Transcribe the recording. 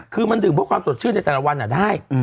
คือมันดื่มเพื่อความสดชื่นในแต่ละวันได้